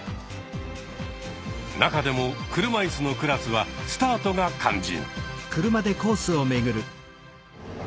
中でも車いすのクラスはスタートが肝心。